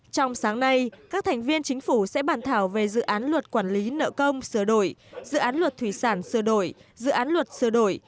trong sáng nay các thành viên chính phủ sẽ bàn thảo về dự án luật quản lý nợ công sửa đổi dự án luật thủy sản sửa đổi dự án luật sửa đổi